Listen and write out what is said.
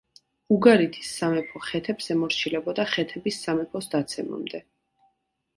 უგარითის სამეფო ხეთებს ემორჩილებოდა ხეთების სამეფოს დაცემამდე.